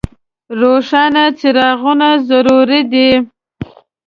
روښانه څراغونه ضروري دي.